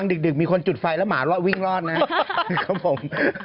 ดึกมีคนจุดไฟแล้วหมาวิ่งรอดนะครับผม